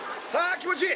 気持ちいい